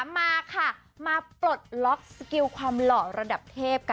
มาค่ะมาปลดล็อกสกิลความหล่อระดับเทพกัน